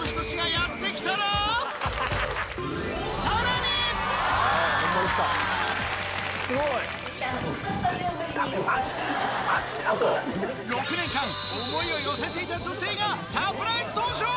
ヤバいヤバい、マジで、６年間思いを寄せていた女性が、サプライズ登場。